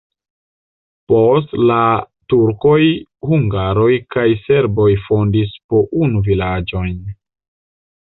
Post la turkoj hungaroj kaj serboj fondis po unu vilaĝojn.